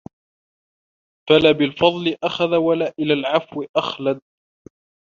فَلَا بِالْفَضْلِ أَخَذَ وَلَا إلَى الْعَفْوِ أَخْلَدَ